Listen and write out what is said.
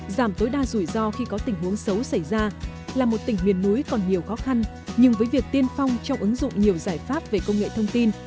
giải quyết những hướng xấu xảy ra là một tỉnh miền núi còn nhiều khó khăn nhưng với việc tiên phong trong ứng dụng nhiều giải pháp về công nghệ thông tin